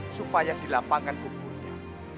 supaya dilapangkan kuburnya